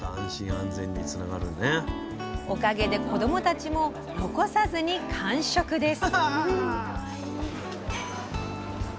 おかげで、子どもたちも残さずに完食です！